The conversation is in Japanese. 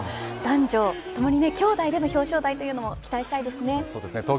男女ともにきょうだいでの表彰台というのも期待したいですね。